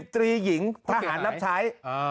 ตรีหญิงทหารรับใช้